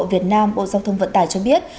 việt nam bộ giao thông vận tải cho biết